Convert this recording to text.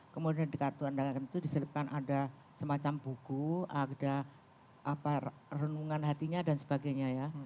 kemudian di kartu andakan itu diselipkan ada semacam buku ada renungan hatinya dan sebagainya ya